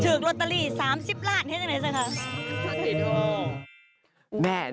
ถือกโรตเตอรี่๓๐ล้านเท่านั้นเลยค่ะ